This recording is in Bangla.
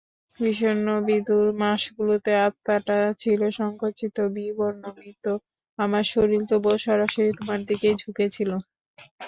বিষণ্নবিধুর মাসগুলোতে আত্মাটা ছিল সংকুচিত, বিবর্ণ, মৃত, আমার শরীর তবু সরাসরি তোমার দিকেই ঝুঁকেছিল।